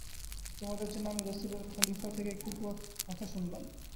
তোমাদের জন্য আমি রাসূলের খলীফা থেকে কটু কথা শুনলাম।